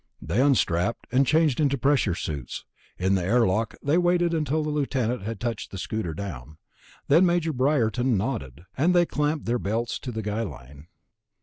They unstrapped, and changed into pressure suits. In the airlock they waited until the Lieutenant had touched the scooter down. Then Major Briarton nodded, and they clamped their belts to the guy line.